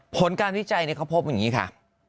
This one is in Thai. ผลการวิจัยเขาพบอย่างนี้ค่ะ